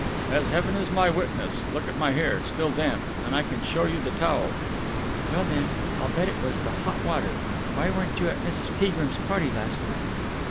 "As Heaven is my witness.... Look at my hair! Still damp! And I can show you the towel." "Well, then, I'll bet it was the hot water. Why weren't you at Mrs. Peagrim's party last night?"